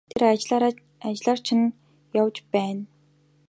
Тэр ажлаар чинь л явж байна.